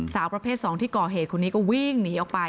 สาวประเภท๒ที่ก่อเหตุคนนี้ก็วิ่งหนีออกไป